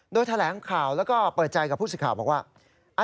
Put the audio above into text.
โดยแถลงข่าวแล้วก็เปิดใจกับผู้สิทธิ์ข่าวบอกว่า